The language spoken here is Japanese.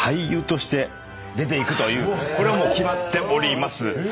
これはもう決まっております。